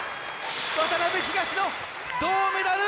渡辺、東野銅メダル！